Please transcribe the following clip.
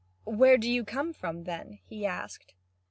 "Where do you come from, then?" he asked.